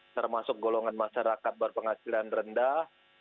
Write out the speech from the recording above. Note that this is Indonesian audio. termasuk golongan masyarakat berpenghasilan rendah